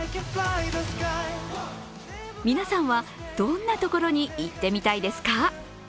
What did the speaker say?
皆さんはどんなところに行ってみたいですか？